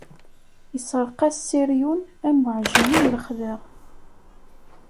Isserqas Siryun am uɛejmi n lexla.